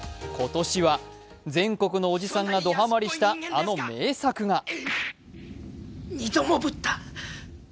今年は全国のおじさんがドハマりしたあの名作が。